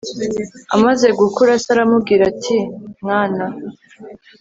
amaze gukura, se aramubwira ati mwana